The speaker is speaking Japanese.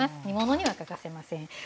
煮物には欠かせません。